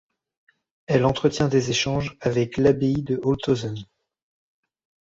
Elle entretient des échanges avec l'abbaye de Holthausen.